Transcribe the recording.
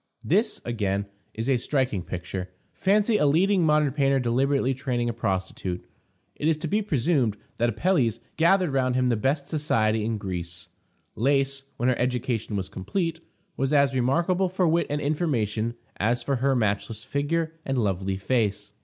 This, again, is a striking picture. Fancy a leading modern painter deliberately training a prostitute! It is to be presumed that Apelles gathered round him the best society in Greece. Lais, when her education was complete, was as remarkable for wit and information as for her matchless figure and lovely face.